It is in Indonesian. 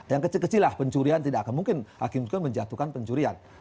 yang kecil kecil lah pencurian tidak akan mungkin hakim menjatuhkan pencurian